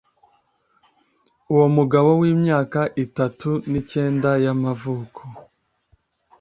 uyu mugabo w’imyaka itatu nicyenda y’amavuko